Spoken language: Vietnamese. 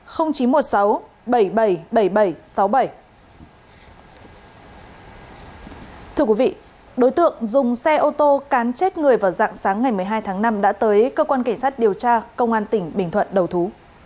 thưa quý vị đối tượng dùng xe ô tô cán chết người vào dạng sáng ngày một mươi hai tháng năm đã tới cơ quan cảnh sát điều tra công an tỉnh bình thuận đầu thú